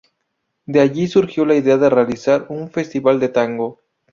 De allí surgió la idea de realizar un festival de tango.